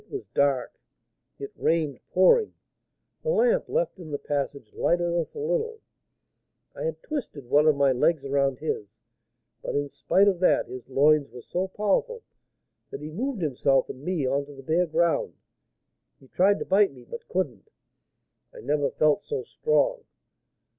It was dark, it rained pouring; the lamp left in the passage lighted us a little. I had twisted one of my legs around his, but, in spite of that, his loins were so powerful that he moved himself and me on to the bare ground. He tried to bite me, but couldn't; I never felt so strong.